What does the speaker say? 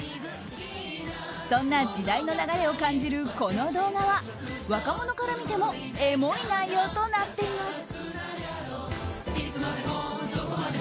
そんな時代の流れを感じるこの動画は若者から見てもエモい内容となっています。